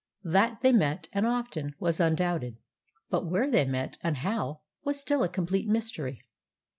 That they met, and often, was undoubted. But where they met, and how, was still a complete mystery.